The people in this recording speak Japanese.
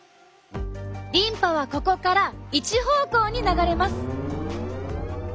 リンパはここから一方向に流れます。